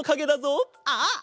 あっ！